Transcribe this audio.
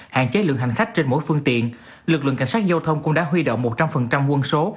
hạn chế lượng hành khách trên mỗi phương tiện lực lượng cảnh sát giao thông cũng đã huy động một trăm linh quân số